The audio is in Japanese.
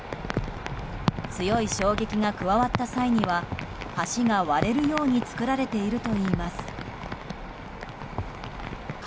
強い衝撃が加わった際には橋が割れるように作られているといいます。